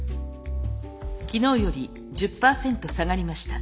昨日より１０％下がりました。